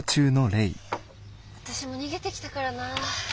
私も逃げてきたからな。